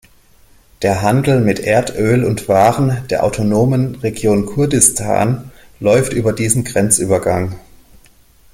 Der Handel mit Erdöl und Waren der Autonomen Region Kurdistan läuft über diesen Grenzübergang.